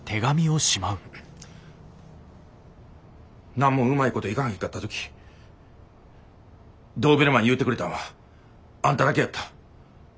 何もうまいこといかへんかった時ドーベルマン言うてくれたんはあんただけやった。